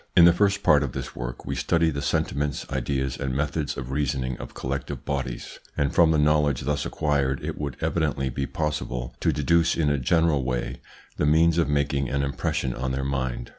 In the first part of this work we studied the sentiments, ideas, and methods of reasoning of collective bodies, and from the knowledge thus acquired it would evidently be possible to deduce in a general way the means of making an impression on their mind.